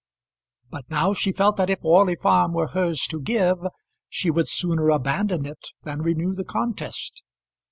But now she felt that if Orley Farm were hers to give she would sooner abandon it than renew the contest.